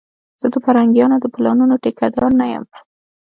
زه د پرنګيانو د پلانونو ټيکه دار نه یم